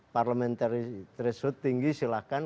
parliamentary threshold tinggi silahkan